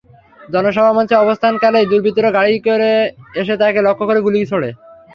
জনসভা মঞ্চে অবস্থানকালেই দুর্বৃত্তরা গাড়িতে করে এসে তাঁকে লক্ষ্য করে গুলি ছোড়ে।